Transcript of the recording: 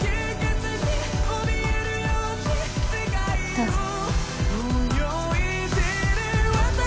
どうぞ。